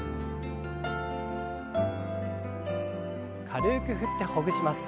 軽く振ってほぐします。